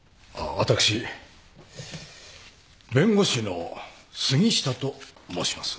私弁護士の杉下と申します。